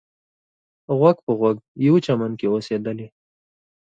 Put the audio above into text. غوږ په غوږ یوه چمن کې اوسېدلې.